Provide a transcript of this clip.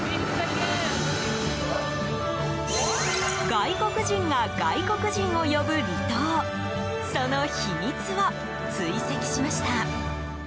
外国人が外国人を呼ぶ離島その秘密を追跡しました。